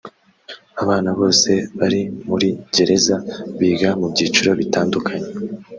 Abana bose bari muri gereza biga mu byiciro bitandukanye